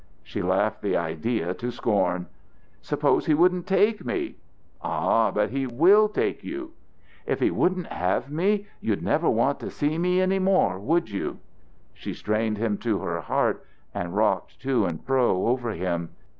She laughed the idea to scorn. "Suppose he wouldn't take me!" "Ah, but he will take you." "If he wouldn't have me, you'd never want to see me any more, would you?" She strained him to her heart and rocked to and fro over him.